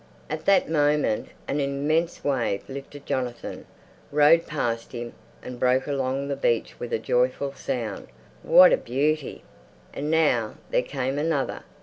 At that moment an immense wave lifted Jonathan, rode past him, and broke along the beach with a joyful sound. What a beauty! And now there came another.